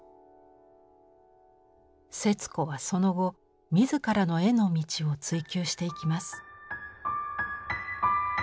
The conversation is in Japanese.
節子はその後自らの絵の道を追究していきます。